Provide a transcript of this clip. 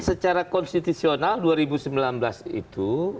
secara konstitusional dua ribu sembilan belas itu